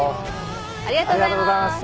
ありがとうございます。